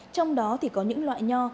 trong đó thì có những loại nho